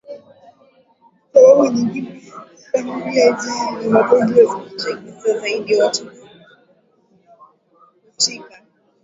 sababu nyingine kama vile njaa na magonjwa zikichagiza zaidi watu kupukutika